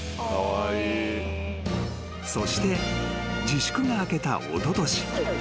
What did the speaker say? ［そして自粛が明けたおととし］